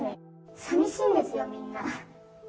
さみしいんですよ、みんな。